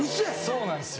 そうなんですよ。